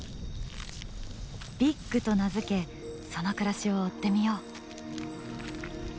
「ビッグ」と名付けその暮らしを追ってみよう。